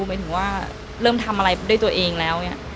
หมายถึงว่าเริ่มทำอะไรด้วยตัวเองแล้ว